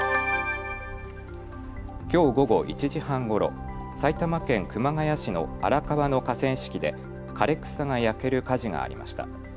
きょう午後１時半ごろ、埼玉県熊谷市の荒川の河川敷で枯れ草が焼ける火事がありました。